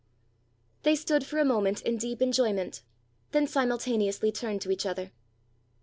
They stood for a moment in deep enjoyment, then simultaneously turned to each other.